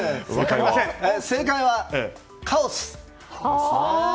正解はカオス！